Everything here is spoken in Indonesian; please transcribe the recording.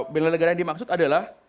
bela negara yang dimaksud adalah